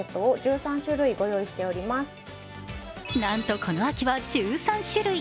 なんと、この秋は１３種類。